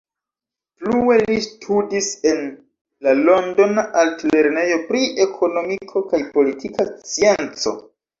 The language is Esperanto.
Plue li studis en la Londona Altlernejo pri Ekonomiko kaj Politika Scienco.